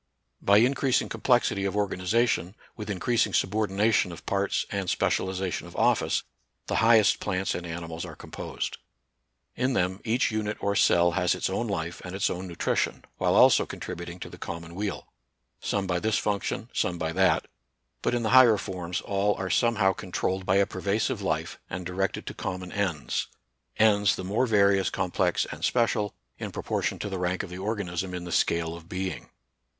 By increasing complexity of or ganization, with increasing subordination of parts and specialization of office, the highest plants and animals are composed. In them each unit or cell has its own life and its own nutri tion, while also contributing to the common weal, — some by this function, some by that ; but in the higher forms all are somehow controlled 32 NATURAL SCIENCE AND RELIGION. by a pervasive life and directed to common ends, — ends the more various, complex, and special, in proportion to the rank of the organ ism in the scale of being.